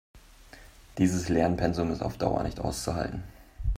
Dieses Lernpensum ist auf Dauer nicht auszuhalten.